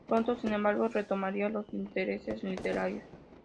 Pronto, sin embargo, retomaría los intereses literarios.